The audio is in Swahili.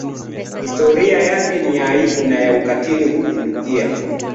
Historia yake ni ya aibu na ya ukatili kupindukia.